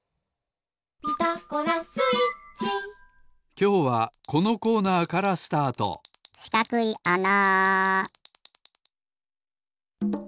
きょうはこのコーナーからスタートしかくいあな！